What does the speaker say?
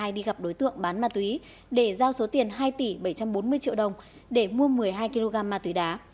lào và cả hai đi gặp đối tượng bán ma túy để giao số tiền hai tỷ bảy trăm bốn mươi triệu đồng để mua một mươi hai kg ma túy đá